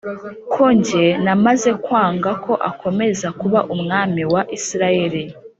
ko jye namaze kwanga ko akomeza kuba umwami wa Isirayeli